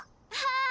ああ。